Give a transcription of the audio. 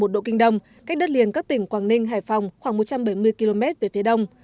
một trăm linh chín một độ kinh đông cách đất liền các tỉnh quảng ninh hải phòng khoảng một trăm bảy mươi km về phía đông